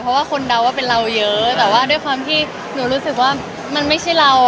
เพราะว่าคนเดาว่าเป็นเราเยอะแต่ว่าด้วยความที่หนูรู้สึกว่ามันไม่ใช่เรา